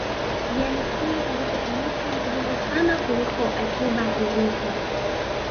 Yani kile kilichotumika ni kidogo sana kuliko akiba iliyopo